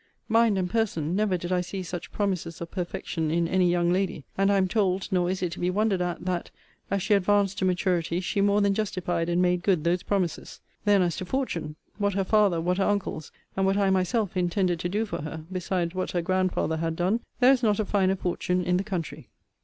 Mind and person, never did I see such promises of perfection in any young lady: and I am told, nor is it to be wondered at, that, as she advanced to maturity, she more than justified and made good those promises. Then as to fortune what her father, what her uncles, and what I myself, intended to do for her, besides what her grandfather had done there is not a finer fortune in the country.